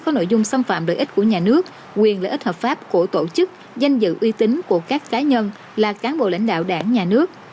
có nội dung xâm phạm lợi ích của nhà nước quyền lợi ích hợp pháp của tổ chức danh dự uy tín của các cá nhân là cán bộ lãnh đạo đảng nhà nước